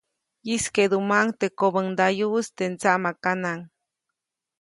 ʼYijskeʼdumaʼuŋ teʼ kobändayuʼis teʼ ndsaʼmakanaŋ.